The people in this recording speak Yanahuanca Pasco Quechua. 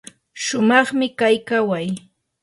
shumaqmi kay kaway.